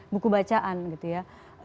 buku bacaan gitu ya